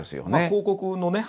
広告のね